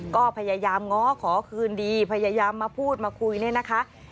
ก็พยายามง้อขอคืนดีพยายามมาพูดมาคุยเนี่ยนะคะ